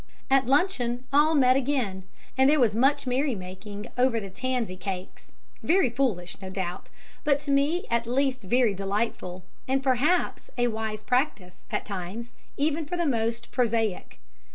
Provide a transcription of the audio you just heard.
At luncheon all met again, and there was much merry making over the tansy cakes very foolish, no doubt, but to me at least very delightful, and perhaps a wise practice, at times, even for the most prosaic.